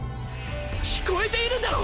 聞こえているんだろ？